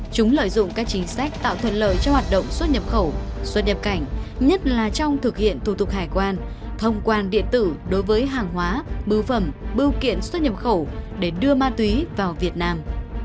chúng lợi dụng các chính sách tạo thuận lợi cho hoạt động xuất nhập khẩu xuất nhập cảnh nhất là trong thực hiện thủ tục hải quan thông quan điện tử đối với hàng hóa bưu phẩm bưu kiện xuất nhập khẩu để đưa ma túy vào việt nam